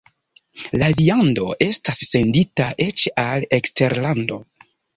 La viando estas sendita eĉ al eksterlando.